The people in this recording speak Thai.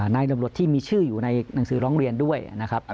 ตำรวจที่มีชื่ออยู่ในหนังสือร้องเรียนด้วยนะครับ